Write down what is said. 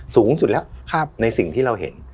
สูงสุดแล้วในสิ่งที่เราเห็น